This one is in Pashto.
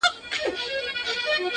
د زړه كاڼى مــي پــر لاره دى لــوېـدلى!